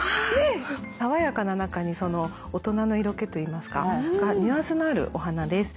爽やかな中に大人の色気といいますかニュアンスのあるお花です。